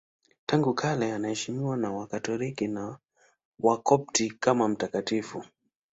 Tangu kale anaheshimiwa na Wakatoliki na Wakopti kama mtakatifu.